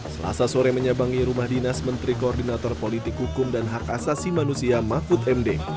selasa sore menyabangi rumah dinas menteri koordinator politik hukum dan hak asasi manusia mahfud md